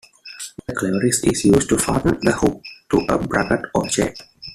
The clevis is used to fasten the hook to a bracket or chain.